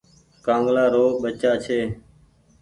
ڪآنگلآ رو بچآ ڇي۔